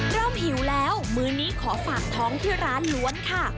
หิวแล้วมื้อนี้ขอฝากท้องที่ร้านล้วนค่ะ